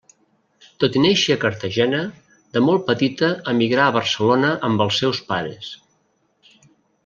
Tot i néixer a Cartagena, de molt petita emigrà a Barcelona amb els seus pares.